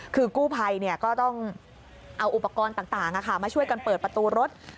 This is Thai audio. คือกู้ภัยก็ต้องเอาอุปกรณ์ต่างมาช่วยกันเปิดประตูรถ